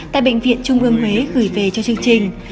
tại bệnh viện trung ương huế gửi về cho chương trình